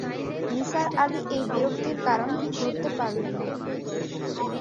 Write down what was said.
নিসার আলি এই বিরক্তির কারণ ঠিক ধরতে পারলেন না।